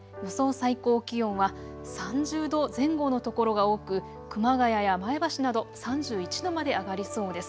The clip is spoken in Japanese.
最高気温は３０度前後の所が多く、熊谷や前橋など３１度まで上がりそうです。